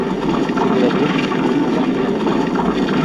Se graduó en lingüística en Alemania.